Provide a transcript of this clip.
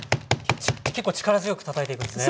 結構力強くたたいていくんですね。